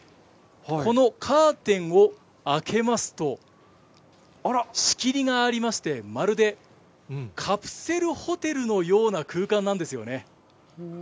このカーテンを開けますと、仕切りがありまして、まるでカプセルホテルのような空間なんですよね。